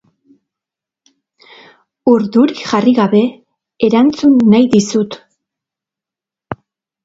Urduri jarri gabe erantzun nahi dizut.